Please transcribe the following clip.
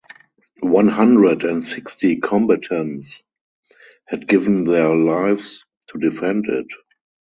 One hundred and sixty combatants had given their lives to defend it.